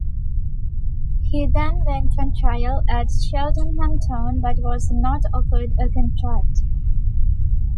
He then went on trial at Cheltenham Town, but was not offered a contract.